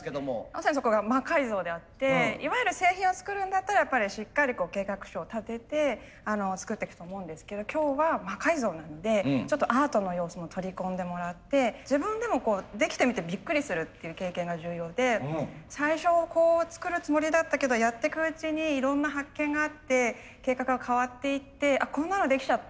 まさにそこが魔改造であっていわゆる製品を作るんだったらやっぱりしっかり計画書を立てて作ってくと思うんですけど今日は魔改造なのでちょっとアートの要素も取り込んでもらって自分でもできてみてびっくりするっていう経験が重要で最初こう作るつもりだったけどやってくうちにいろんな発見があって計画が変わっていってこんなのできちゃった。